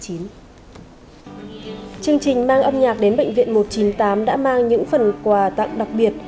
chương trình mang âm nhạc đến bệnh viện một trăm chín mươi tám đã mang những phần quà tặng đặc biệt